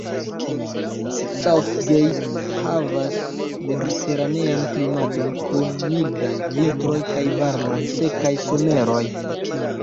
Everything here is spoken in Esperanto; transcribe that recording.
South Gate havas mediteranean klimaton kun mildaj vintroj kaj varmaj, sekaj someroj.